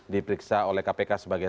diperiksa oleh kpk sebagai